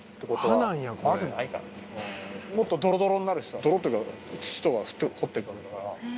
もっとドロドロになるしさ泥というか土とか掘っていくわけだから。